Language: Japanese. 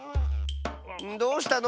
どうしたの？